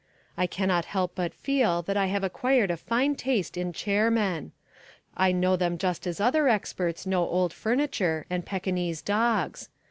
I cannot help but feel that I have acquired a fine taste in chair men. I know them just as other experts know old furniture and Pekinese dogs.